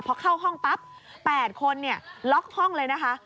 พอเข้าห้องปั๊บ๘คนล็อกห้องเลยนะคะ